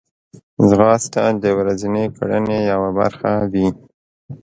ځغاسته د ورځنۍ کړنې یوه برخه وي